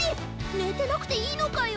ねてなくていいのかよ。